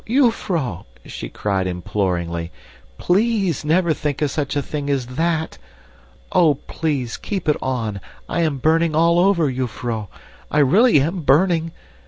jufvrouw!" she cried imploringly. "PLEASE never think of such a thing as THAT. Oh! please keep it on, I am burning all over, jufvrouw! I really am burning.